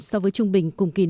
so với trung bình cùng kỳ lượng